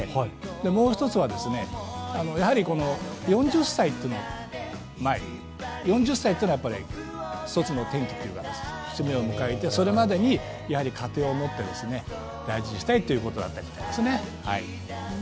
もう一つは、４０歳っていうのを前に４０歳っていうのは一つの転機節目を迎えて、それまでに家庭を持って大事にしたいということだったみたいですね。